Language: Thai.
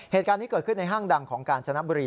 เหตุการณ์นี้เกิดขึ้นในห้างดังของกาญจนบุรี